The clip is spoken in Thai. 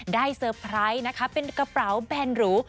เซอร์ไพรส์นะคะเป็นกระเป๋าแบนหรู